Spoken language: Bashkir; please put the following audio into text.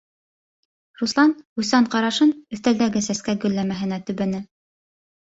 - Руслан уйсан ҡарашын өҫтәлдәге сәскә гөлләмәһенә төбәне.